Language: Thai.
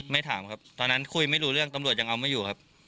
ถามครับตอนนั้นคุยไม่รู้เรื่องตำรวจยังเอาไม่อยู่ครับ